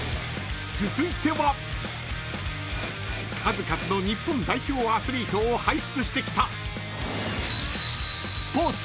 ［数々の日本代表アスリートを輩出してきた］